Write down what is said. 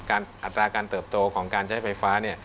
อัตราการเติบโตของการใช้ไฟฟ้า